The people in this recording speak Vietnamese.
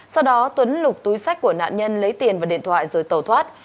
sau đó tuấn lục túi sách của nạn nhân lấy tiền và điện thoại rồi tàu thoát